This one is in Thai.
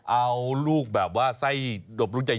เอาลูกแบบว่าไส้ดบลูกใหญ่